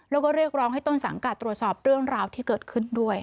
แล้วก็เรียกร้องให้ต้นสังกัดตรวจสอบเรื่องราวที่เกิดขึ้นด้วย